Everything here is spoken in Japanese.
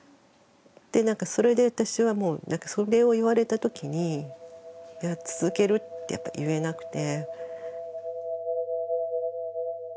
それで私はもうそれを言われたときに続けるってやっぱ言えなくて。